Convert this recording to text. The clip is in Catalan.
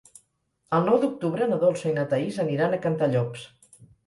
El nou d'octubre na Dolça i na Thaís aniran a Cantallops.